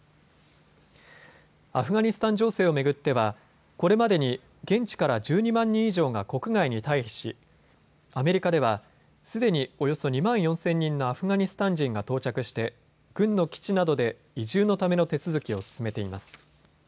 アフガニスタン情勢を巡ってはこれまでに現地から１２万人以上が国外に退避しアメリカではすでにおよそ２万４０００人のアフガニスタン人が到着して軍の基地などで移住のための手続きを進めています。